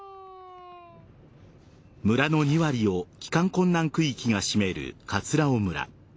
村の２割を帰還困難区域が占める葛尾村。